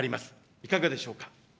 いかがでしょうか。